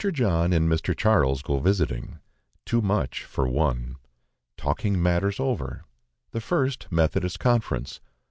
John and Mr. Charles go visiting. Too much for one. Talking matters over. The first Methodist Conference.